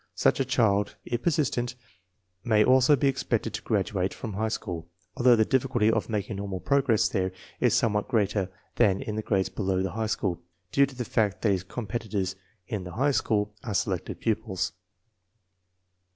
Such a child, if persistent, may also be expected to graduate from' high school, although the difficulty of making normal progress there is somewhat greater than in the grades below the high school, due to the fact that his . competitors in the high school are selected pupils.